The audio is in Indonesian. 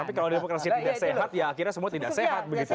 tapi kalau demokrasi tidak sehat ya akhirnya semua tidak sehat begitu ya